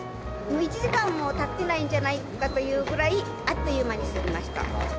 １時間も経ってないんじゃないのかというくらいあっという間に過ぎました。